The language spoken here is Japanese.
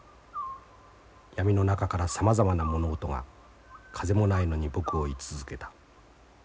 闇の中からさまざまな物音が風もないのに僕を射続けた。